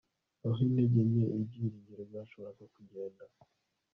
aho intege nke ibyiringiro byashoboraga kugenda